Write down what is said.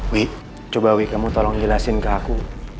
wi coba wik kamu tolong jelasin ke aku